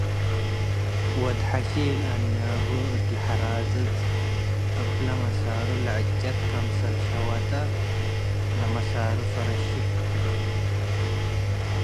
ወድ-ሐሺል አንያቡ እት ለሐራጽጽ እብ ለመሳሩ ለዕጨ'ት ክምሰል ሸወጠ፡ ለመሳሩ ፍርሽክ ትቤ።